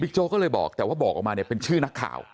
โจ๊กก็เลยบอกแต่ว่าบอกออกมาเนี่ยเป็นชื่อนักข่าว